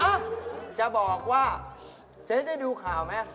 เอ้าจะบอกว่าเจ๊ได้ดูข่าวไหม